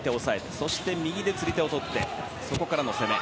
そして右で釣り手をとってそこからの攻め。